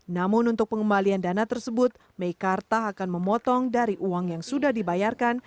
namun untuk pengembalian dana tersebut meikarta akan memotong dari uang yang sudah dibayarkan